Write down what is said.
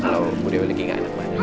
kalau bu dewi lagi gak enak banget